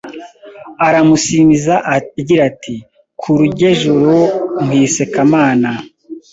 Aramusimiza agira ati: “Kura uge ejuru nkwise Kamana”